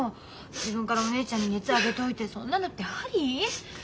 自分からお姉ちゃんに熱上げといてそんなのってあり！？